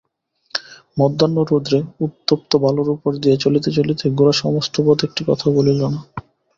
মধ্যাহ্নরৌদ্রে উত্তপ্ত বালুর উপর দিয়া চলিতে চলিতে গোরা সমস্ত পথ একটি কথাও বলিল না।